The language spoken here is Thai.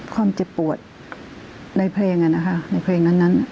ความเจ็บปวดในเพลงน่ะนะคะในเพลงนั้นนั้น